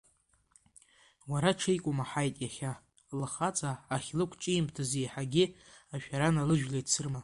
Уара ҽеик умаҳаит иахьа, лхаҵа ахьлықәҿимҭыз еиҳагьы ашәара налыжәлеит Сырма.